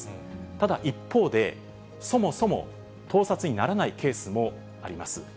ただ一方で、そもそも盗撮にならないケースもあります。